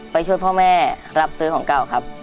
ช่วยพ่อแม่รับซื้อของเก่าครับ